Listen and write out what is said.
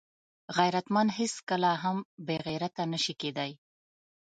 غیرتمند هیڅکله هم بېغیرته نه شي کېدای